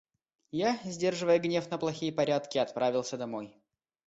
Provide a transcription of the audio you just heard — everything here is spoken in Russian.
Я, сдерживая гнев на плохие порядки, отправился домой.